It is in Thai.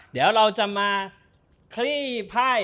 เดี๋ยวเราจะมาคลี่ไพ่